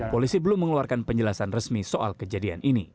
polisi belum mengeluarkan penjelasan resmi soal kejadian ini